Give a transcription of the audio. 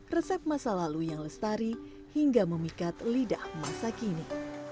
resep masa lalu yang lestari hingga memikat lidah masa kini